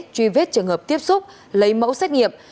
truy vết trường hợp tiếp xúc lấy mẫu xét nghiệm